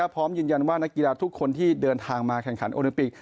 พร้อมยืนยันว่านักกีฬาทุกคนที่เดินทางมาแข่งขันโอลิมปิก